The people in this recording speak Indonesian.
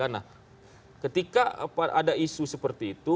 nah ketika ada isu seperti itu